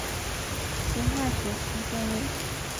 西汉时期建立。